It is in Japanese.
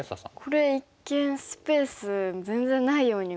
これ一見スペース全然ないように見える。